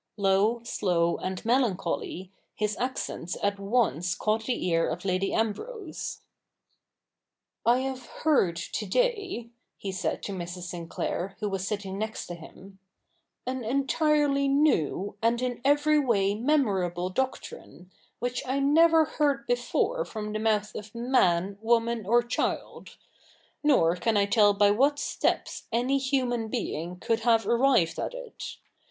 Low, slow, and melancholy, his accents at once caught the ear of Lady Ambrose. 90 THE NEW REPUBLIC [rk. ii ' I have heard to day,' he said to Mrs. Sinclair, who was sitting next him, ' an entirely new and in every way memorable doctrine, which I never heard before from the mouth of man, woman, or child ; nor can I tell by what steps any human being could have arrived at it.